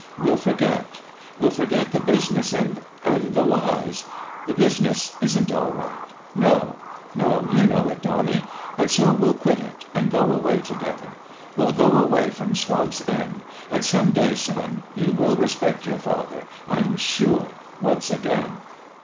We'll forget. We'll forget the business and and the lies. The business isn't all right. No, no 1 You know it, Donnie. And so we'll quit it and go away together. We'll go away from Swamp's End. And some day, son, THE END OF THE GAME 321 you will respect your father, I am sure, once again."